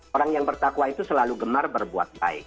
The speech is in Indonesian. orang yang bertakwa itu selalu gemar berbuat baik